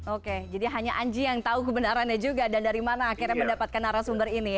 oke jadi hanya anji yang tahu kebenarannya juga dan dari mana akhirnya mendapatkan arah sumber ini